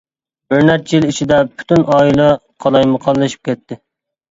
بىر نەچچە يىل ئىچىدە پۈتۈن ئائىلە قالايمىقانلىشىپ كەتتى.